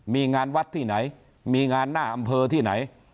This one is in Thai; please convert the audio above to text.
มีงานวัดที่ไหนมีงานหน้าอำเภอที่ไหน